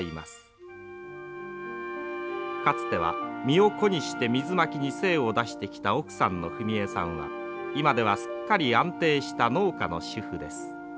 かつては身を粉にして水まきに精を出してきた奥さんの文枝さんは今ではすっかり安定した農家の主婦です。